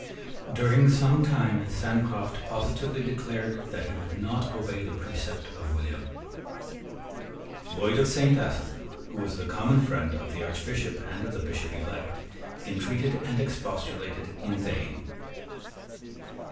During some time Sancroft positively declared that he would not obey the precept of William. Lloyd of Saint Asaph, who was the common friend of the Archbishop and of the Bishop elect, intreated and expostulated in vain.